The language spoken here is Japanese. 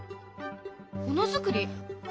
ものづくり？